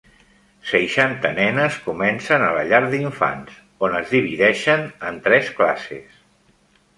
Seixanta nenes comencen a la llar d'infants, on es divideixen en tres classes.